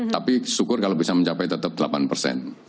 tapi syukur kalau bisa mencapai tetap delapan persen